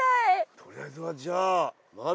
とりあえずはじゃあまず。